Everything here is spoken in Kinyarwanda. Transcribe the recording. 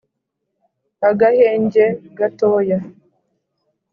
agahenge gatoya